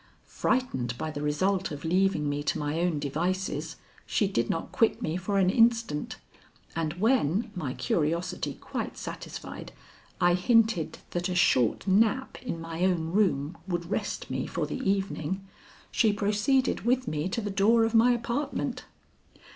Frightened by the result of leaving me to my own devices, she did not quit me for an instant, and when, my curiosity quite satisfied, I hinted that a short nap in my own room would rest me for the evening, she proceeded with me to the door of my apartment.